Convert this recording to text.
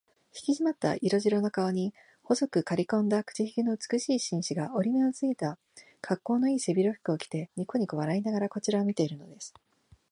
ひきしまった色白の顔に、細くかりこんだ口ひげの美しい紳士が、折り目のついた、かっこうのいい背広服を着て、にこにこ笑いながらこちらを見ているのです。